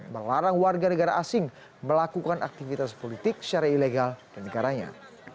melarang warga negara asing melakukan aktivitas politik secara ilegal dan negaranya